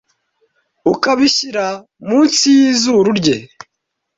ukabishyira munsi yizuru rye